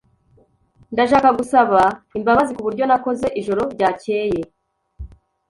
Ndashaka gusaba imbabazi kuburyo nakoze ijoro ryakeye.